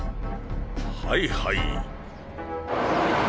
はいはい。